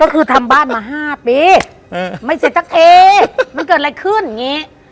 ก็คือทำบ้านมาห้าปีเออไม่เสร็จจักรเอมันเกิดอะไรขึ้นอย่างเงี้ย